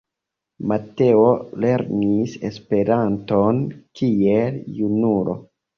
Mateo lernis Esperanton kiel junulo.